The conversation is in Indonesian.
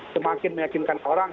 semakin meyakinkan orang